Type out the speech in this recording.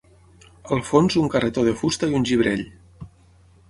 Al fons un carretó de fusta i un gibrell.